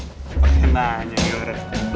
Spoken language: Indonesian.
nah jangan geret